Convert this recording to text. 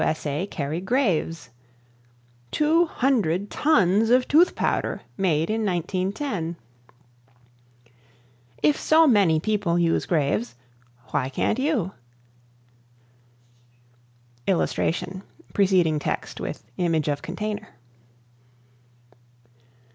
S. A., carry GRAVES' 200 tons of Tooth Powder made in 1910 If so many people use GRAVES' why can't you? [Illustration: Preceding text with image container.